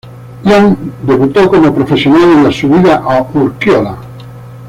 Ion debutó como profesional en la Subida a Urkiola.